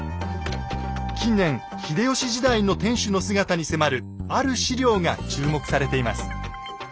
近年秀吉時代の天守の姿に迫るある史料が注目されています。